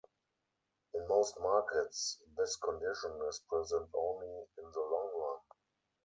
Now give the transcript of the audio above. In most markets this condition is present only in the long run.